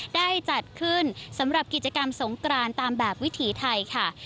ได้จัดขึ้นสำหรับกิจกรรมสงกรานตามแบบวิถีไทยค่ะ